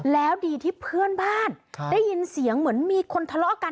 แล้วดีที่เพื่อนบ้านได้ยินเสียงเหมือนมีคนทะเลาะกัน